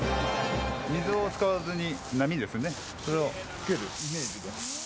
水を使わずに、波ですね、それをつけるイメージで。